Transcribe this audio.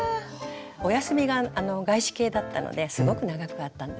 お休みが外資系だったのですごく長くあったんですね。